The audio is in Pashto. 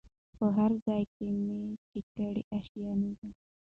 په هرځای کي چي مي کړې آشیانه ده